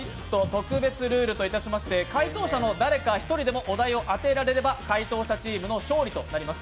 特別ルールといたしまして回答者の誰か１人でもお題を当てられれば回答者チームの勝利となります。